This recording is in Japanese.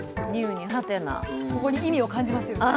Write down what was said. ここに意味を感じますよね。